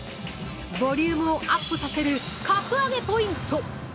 ボリュームをアップさせる格上げポイント。